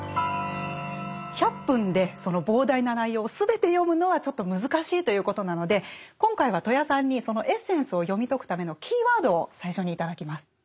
１００分でその膨大な内容を全て読むのはちょっと難しいということなので今回は戸谷さんにそのエッセンスを読み解くためのキーワードを最初に頂きます。